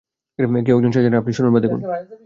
কেউ একজন চাচ্ছে না আপনি শুনুন বা দেখুন।